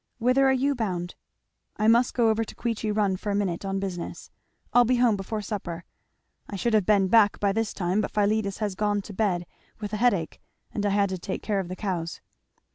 Whither are you bound?" "I must go over to Queechy Run for a minute, on business I'll be home before supper I should have been back by this time but Philetus has gone to bed with a headache and I had to take care of the cows."